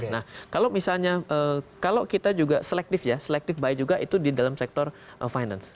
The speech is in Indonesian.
nah kalau misalnya kalau kita juga selektif ya selektif by juga itu di dalam sektor finance